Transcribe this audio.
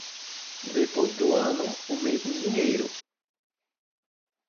Depois do ano, o mesmo dinheiro.